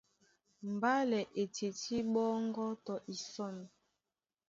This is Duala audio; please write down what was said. Mbálɛ e tití ɓɔ́ŋgɔ́ tɔ isɔ̂n.